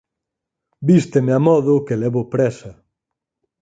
Vísteme amodo que levo présa.